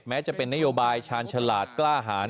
จะเป็นนโยบายชาญฉลาดกล้าหาร